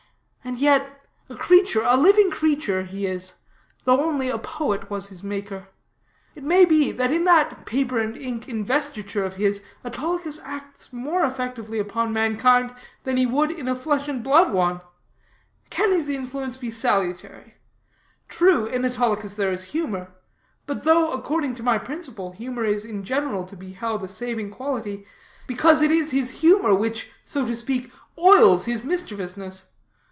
And yet, a creature, a living creature, he is, though only a poet was his maker. It may be, that in that paper and ink investiture of his, Autolycus acts more effectively upon mankind than he would in a flesh and blood one. Can his influence be salutary? True, in Autolycus there is humor; but though, according to my principle, humor is in general to be held a saving quality, yet the case of Autolycus is an exception; because it is his humor which, so to speak, oils his mischievousness.